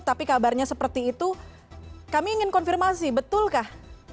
tapi kabarnya seperti itu kami ingin konfirmasi betul kak